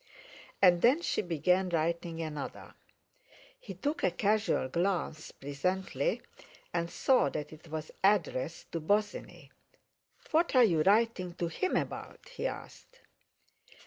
And then she began writing another. He took a casual glance presently, and saw that it was addressed to Bosinney. "What are you writing to him about?" he asked.